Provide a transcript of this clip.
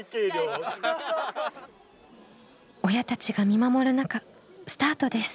親たちが見守る中スタートです。